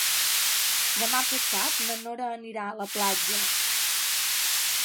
Demà passat na Nora anirà a la platja.